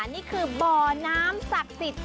นี่คือบ่อน้ำศักดิ์สิทธิ์